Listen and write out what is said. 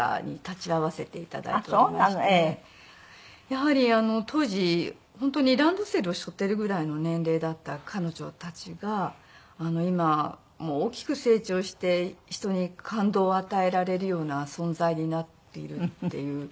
やはり当時本当にランドセルを背負っているぐらいの年齢だった彼女たちが今もう大きく成長して人に感動を与えられるような存在になっているっていう。